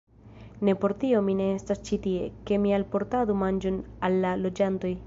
Ne por tio mi estas ĉi tie, ke mi alportadu manĝon al la loĝantoj.